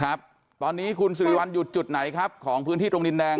ครับตอนนี้คุณสิริวัลอยู่จุดไหนครับของพื้นที่ตรงดินแดง